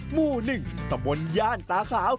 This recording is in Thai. หมู่๑ตะบนย่านตาขาว